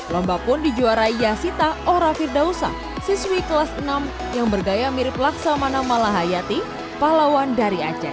lomba pun dijuarai yasita ora firdausa siswi kelas enam yang bergaya mirip laksamana malahayati pahlawan dari aceh